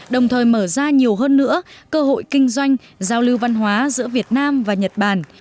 đồng thời mở ra nhiều hơn nữa cơ hội kinh doanh giao lưu văn hóa giữa việt nam và nhật bản